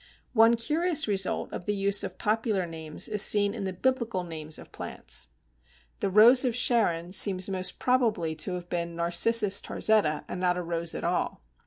One curious result of the use of popular names is seen in the Biblical names of plants. The Rose of Sharon seems most probably to have been Narcissus Tarzetta, and not a rose at all.